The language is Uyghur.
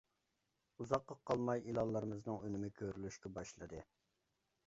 ئۇزاققا قالماي ئېلانلىرىمىزنىڭ ئۈنۈمى كۆرۈلۈشكە باشلىدى.